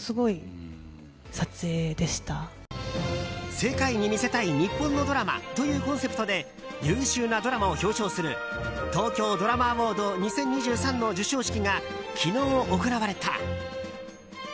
世界に見せたい日本のドラマというコンセプトで優秀なドラマを表彰する「東京ドラマアウォード２０２３」の授賞式が昨日行われた。